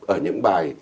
ở những bài